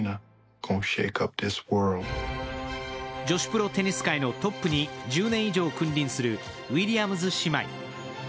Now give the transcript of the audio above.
女子プロテニス界のトップに１０年以上君臨するウィリアムズ姉妹。